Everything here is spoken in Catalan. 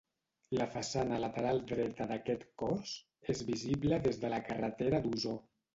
La façana lateral dreta d'aquest cos, és visible des de la carretera d'Osor.